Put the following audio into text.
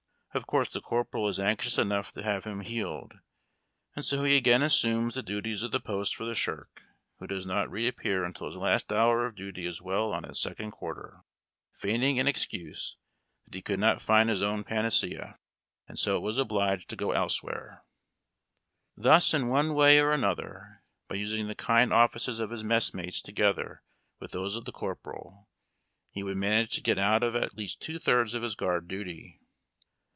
Of course the corporal is anxious enough to have him healed, and so he again assumes the duties of the post for the shirk, who does not reappear until his last hour of duty is well on its second quarter, feigning in excuse that he could not find his own panacea 100 FIARD TACK AND COFFEE. and so was obliged to go elsewhere. Thus in one way and another, by using the kind offices of his messmates together with those of the corporal, he would manage to get out of at least two thirds of his guard duty.